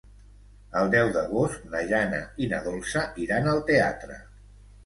El deu d'agost na Jana i na Dolça iran al teatre.